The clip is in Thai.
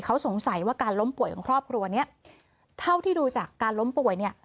เขาสงสัยว่าการล้มป่วยของครอบครัวเนี้ยเท่าที่ดูจากการล้มป่วยเนี่ย